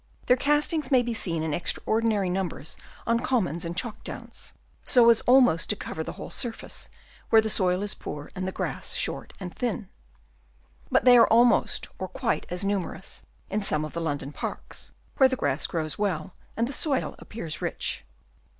Their castings may be seen in extraordinary numbers on commons and chalk downs, so as almost to cover the whole surface, where the soil is poor and the grass short and thin. But they are almost or quite as numerous in some of the London parks, where the grass grows well and the soil appears rich.